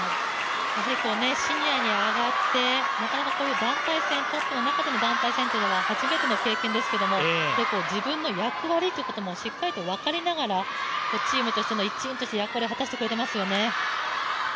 シニアに上がってなかなかこういう団体戦というのは初めての経験ですけれども、自分の役割ということもしっかりと分かりながらチームの一員として役割を果たしてくれていますよね。